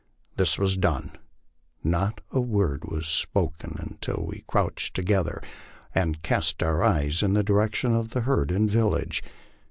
This was done ; not a word was spoken until we crouched together and cast our eyes in the direction of the herd and village.